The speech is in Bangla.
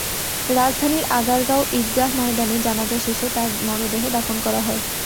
রাজধানীর আগারগাঁও ঈদগাহ ময়দানে জানাজা শেষে তাঁর মরদেহ দাফন করা হয়।